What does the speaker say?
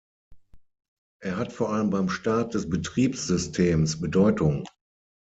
Er hat vor allem beim Start des Betriebssystems Bedeutung.